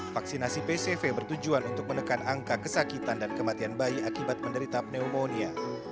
vaksinasi pcv bertujuan untuk menekan angka kesakitan dan kematian bayi akibat menderita pneumonia